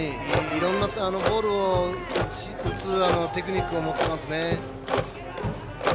いろんなボールを打つテクニックを持ってますね。